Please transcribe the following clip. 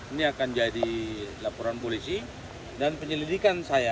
ini akan jadi laporan polisi dan penyelidikan saya